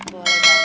boleh banget john